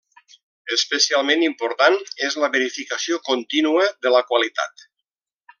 Especialment important és la verificació contínua de la qualitat.